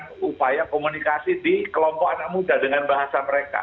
melakukan upaya komunikasi di kelompok anak muda dengan bahasa mereka